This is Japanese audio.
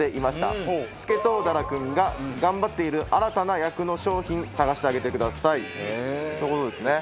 スケトウダラ君が頑張っている新たな役の商品探してあげてくださいという事ですね。